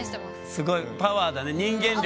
すごいパワーだね人間力。